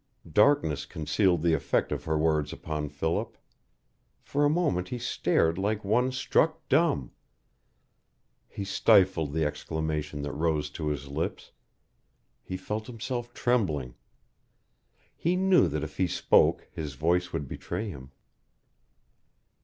Darkness concealed the effect of her words upon Philip. For a moment he stared like one struck dumb. He stifled the exclamation that rose to his lips. He felt himself trembling. He knew that if he spoke his voice would betray him.